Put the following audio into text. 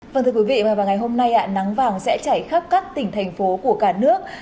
vâng thưa quý vị vào ngày hôm nay nắng vàng sẽ chảy khắp các tỉnh thành phố của cả nước